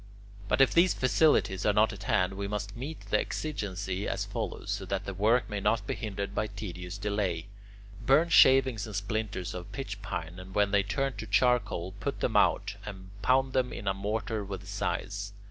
But if these facilities are not at hand, we must meet the exigency as follows, so that the work may not be hindered by tedious delay. Burn shavings and splinters of pitch pine, and when they turn to charcoal, put them out, and pound them in a mortar with size.